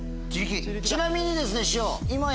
ちなみにですね師匠。